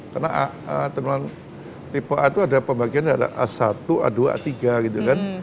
karena a tipe a itu ada pembagiannya ada a satu a dua a tiga gitu kan